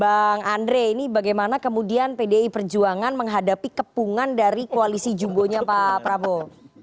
bang andre ini bagaimana kemudian pdi perjuangan menghadapi kepungan dari koalisi jumbonya pak prabowo